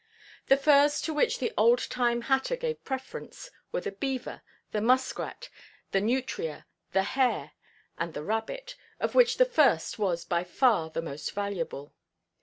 The furs to which the old time hatter gave preference were the beaver, the muskrat, the nutria, the hare and the rabbit, of which the first was by far the most valuable.